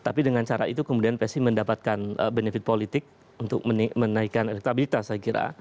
tapi dengan cara itu kemudian psi mendapatkan benefit politik untuk menaikkan elektabilitas saya kira